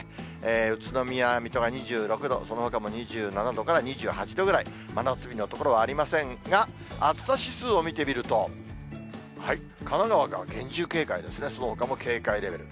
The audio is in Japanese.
宇都宮、水戸が２６度、そのほかも２７度から２８度ぐらい、真夏日の所はありませんが、暑さ指数を見てみると、神奈川が厳重警戒ですね、そのほかも警戒レベル。